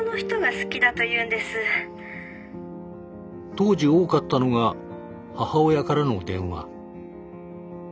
当時多かったのが母親からの電話。